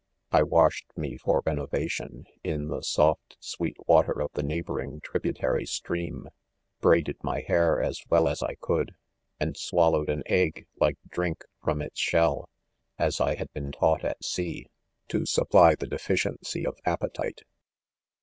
C I washed me for renovation, in the soft sweet water of the neighboring tributary stream, braided, my hair as well as I could, and swallowed an egg like, drink from its shell, as I haci been taught at sea, to supply the defi ciency of appetite.